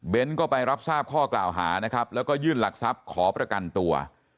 ก็ไปรับทราบข้อกล่าวหานะครับแล้วก็ยื่นหลักทรัพย์ขอประกันตัว